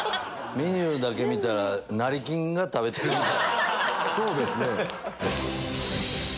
メニューだけ見たら成り金が食べてるみたい。